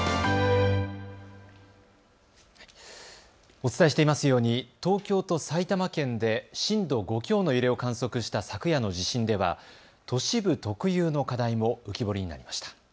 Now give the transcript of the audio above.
お伝えしていますように東京と埼玉県で震度５強の揺れを観測した昨夜の地震では都市部特有の課題も浮き彫りになりました。